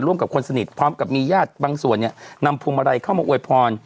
ร่วมกับคนสนิทพร้อมกับมีญาติบางส่วนเนี่ยนำพวงมาลัยเข้ามาอวยพร